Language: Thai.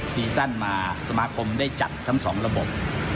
สีสั้นมาสมาคมได้จัดทั้ง๒ระบบ